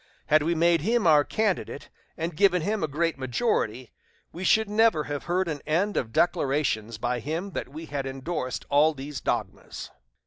Had we made him our candidate and given him a great majority, we should never have heard an end of declarations by him that we had indorsed all these dogmas."